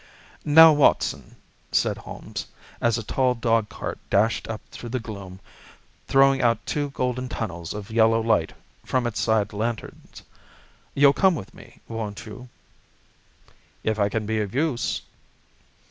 "Now, Watson," said Holmes, as a tall dog cart dashed up through the gloom, throwing out two golden tunnels of yellow light from its side lanterns. "You'll come with me, won't you?" "If I can be of use."